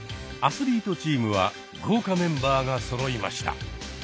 アスリートチームは豪華メンバーがそろいました。